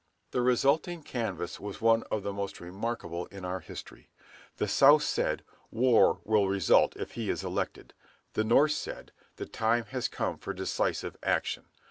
The resulting canvass was one of the most remarkable in our history. The South said, "War will result if he is elected." The North said, "The time has come for decisive action."